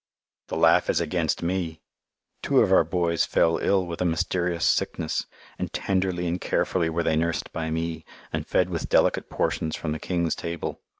The laugh is against me! Two of our boys fell ill with a mysterious sickness, and tenderly and carefully were they nursed by me and fed with delicate portions from the king's table.